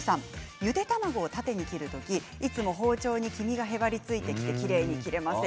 ゆで卵を縦に切る時いつも包丁に黄身がへばりついてきれいに切れません。